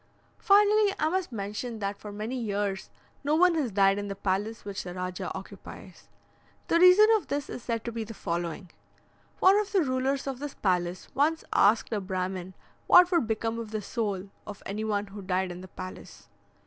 Finally, I must mention that for many years no one has died in the palace which the Rajah occupies. The reason of this is said to be the following: "One of the rulers of this palace once asked a Brahmin what would become of the soul of any one who died in the palace.